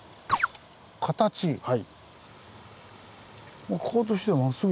はい。